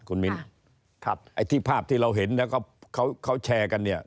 คุณมิ้นครับไอ้ที่ภาพที่เราเห็นแล้วก็เขาแชร์กันเนี่ย